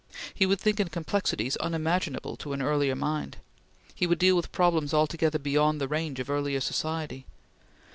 He would think in complexities unimaginable to an earlier mind. He would deal with problems altogether beyond the range of earlier society.